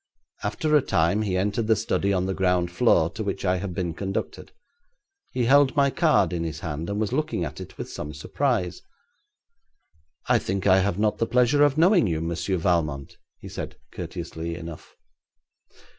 After a time he entered the study on the ground floor, to which I had been conducted. He held my card in his hand, and was looking at it with some surprise. 'I think I have not the pleasure of knowing you, Monsieur Valmont,' he said, courteously enough.